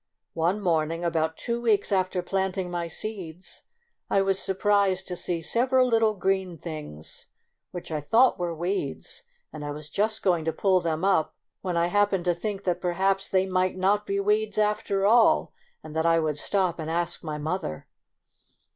One morning, about two weeks after planting my seeds, I was surprised to see several little green things which I thought were weeds, and I was just going to pull them up, when I happened to think that perhaps they might not be weeds after all, and that I would stop and ask my mother.